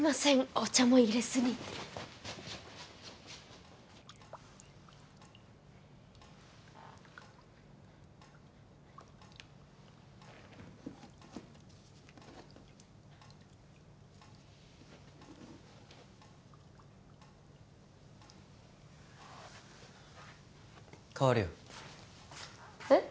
お茶もいれずに代わるよえっ？